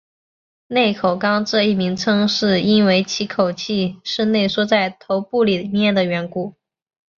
内口纲这一名称是因为其口器是内缩在头部里面的缘故。